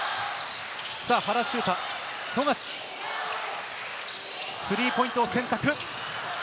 原修太、富樫、スリーポイントを選択。